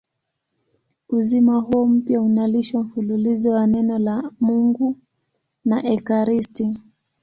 Uzima huo mpya unalishwa mfululizo na Neno la Mungu na ekaristi.